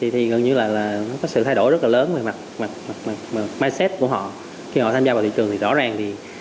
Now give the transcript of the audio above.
thì gần như là có sự thay đổi rất là lớn về mindset của họ khi họ tham gia vào thị trường